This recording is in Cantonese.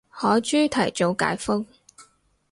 海珠提早解封